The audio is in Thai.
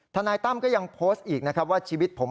เพราะว่ามีทีมนี้ก็ตีความกันไปเยอะเลยนะครับ